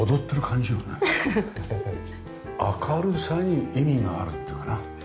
明るさに意味があるっていうかな。